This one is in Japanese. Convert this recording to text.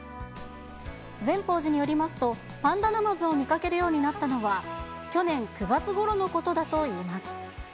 善宝寺によりますと、パンダナマズを見かけるようになったのは、去年９月ごろのことだといいます。